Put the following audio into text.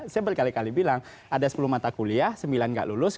saya berkali kali bilang ada sepuluh mata kuliah sembilan gak lulus